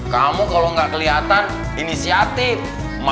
kamu kalau enggak kelihatan dinisiatif mba